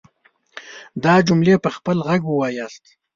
دا جملې په خپل غږ وواياست.